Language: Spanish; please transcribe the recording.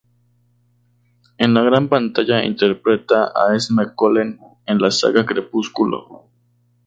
En la gran pantalla interpreta a Esme Cullen en la Saga Crepúsculo.